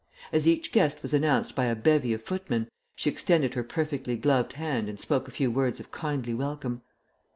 As each guest was announced by a bevy of footmen, she extended her perfectly gloved hand and spoke a few words of kindly welcome.